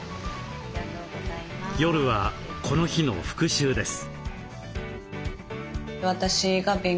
夜はこの日の復習です。